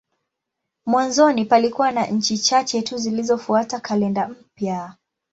Mwanzoni palikuwa na nchi chache tu zilizofuata kalenda mpya.